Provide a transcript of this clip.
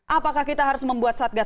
apakah kita harus membuat